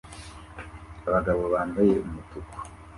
Abagabo bambaye umutuku